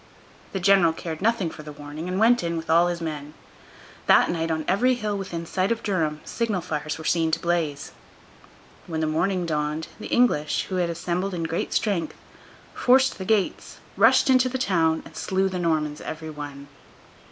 The general cared nothing for the warning, and went in with all his men. That night, on every hill within sight of Durham, signal fires were seen to blaze. When the morning dawned, the English, who had assembled in great strength, forced the gates, rushed into the town, and slew the Normans every one.